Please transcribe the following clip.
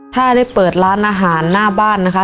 ถ้าได้เปิดร้านอาหารหน้าบ้านนะคะ